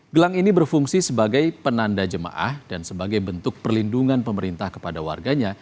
gelang ini berfungsi sebagai penanda jemaah dan sebagai bentuk perlindungan pemerintah kepada warganya